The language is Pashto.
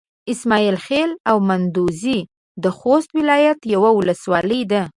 اسماعيل خېلو او مندوزي د خوست ولايت يوه ولسوالي ده.